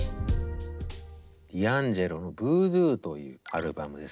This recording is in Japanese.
ディアンジェロの「Ｖｏｏｄｏｏ」というアルバムですね。